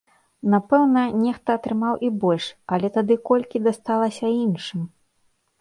Напэўна, нехта атрымаў і больш, але тады колькі дасталася іншым?